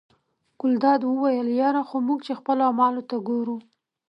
ګلداد وویل یره خو موږ چې خپلو اعمالو ته ګورو.